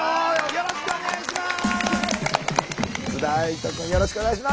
よろしくお願いします。